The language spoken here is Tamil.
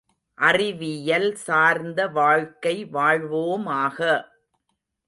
அறிவியல் சார்ந்த வாழ்க்கை வாழ்வோமாக!